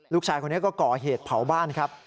ลูกชายคนนี้ก็ก่อเหตุเผาบ้านครับ